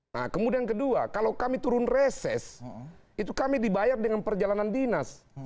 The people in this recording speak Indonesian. nah kemudian kedua kalau kami turun reses itu kami dibayar dengan perjalanan dinas